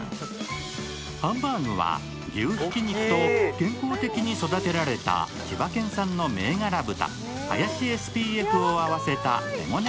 ハンバーグは牛ひき肉と健康的に育てられた千葉県産の銘柄豚、林ＳＰＦを合わせた手ごね